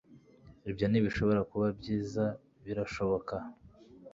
ibyo ntibishobora kuba byiza, birashoboka